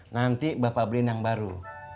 nanti bapak brin yang baru